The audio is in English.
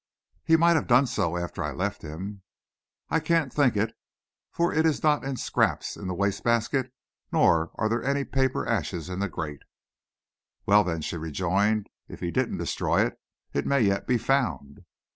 "He might have done so after I left him." "I can't think it, for it is not in scraps in the waste basket, nor are there any paper ashes in the grate." "Well, then," she rejoined, "if he didn't destroy it, it may yet be found."